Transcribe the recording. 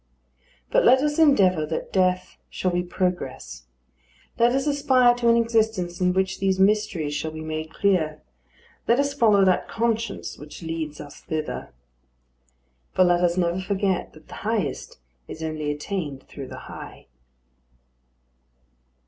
But let us endeavour that death shall be progress. Let us aspire to an existence in which these mysteries shall be made clear. Let us follow that conscience which leads us thither. For let us never forget that the highest is only attained through the high.